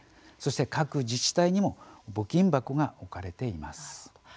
そして、各自治体にも募金箱が置かれています。